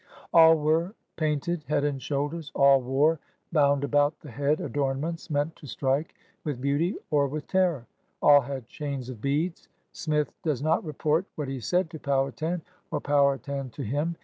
All were painted, head and shoulders; all wore, bound about the head, adornments meant to strike with beauty or with terror; all had chains of beads. Smith does not report what he said to Powhatan, or Powhatan to him.